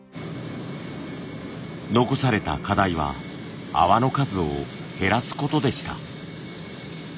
残された課題は泡の数を減らすことでした。